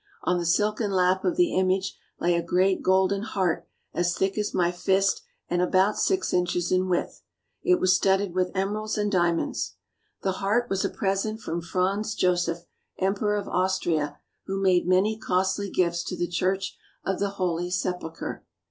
On the silken lap of the image lay a great golden heart as thick as my fist and about six inches in width. It was studded with emeralds and diamonds. The heart was a present from Franz 50 "THE TRIBES OF GOD GO THITHER" Josef, Emperor of Austria, who made many costly gifts to the Church of the Holy Sepulchre.